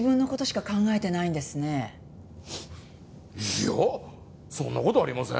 いやそんな事ありません。